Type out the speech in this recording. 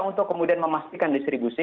atau kemudian memastikan distribusi